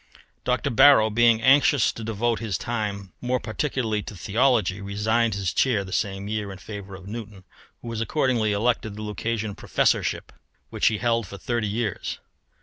Dr. Barrow, being anxious to devote his time more particularly to theology, resigned his chair the same year in favour of Newton, who was accordingly elected to the Lucasian Professorship, which he held for thirty years.